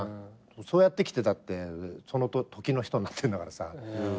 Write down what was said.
そうやってきてたって時の人になってんだからさ。